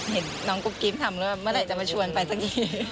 เห็นน้องกุ๊กกิ๊บทำแล้วเมื่อไหร่จะมาชวนไปสักที